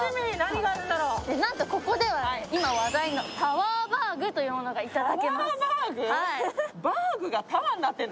なんとここでは今話題のタワーバーグというものがいただけます。